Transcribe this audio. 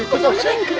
kenapa jadi begini